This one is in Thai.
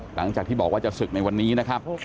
หลังจากที่บอกว่าจะศึกในวันนี้นะครับ